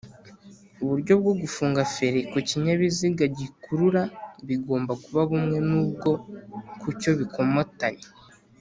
uburyo bwo gufunga feri kukinyabiziga gikurura bigomba kuba bumwe n’ubwo kucyo bikomatanye